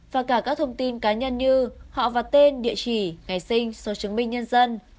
và cả các thông tin cá nhân như họ và tên địa chỉ ngày sinh số chứng minh nhân dân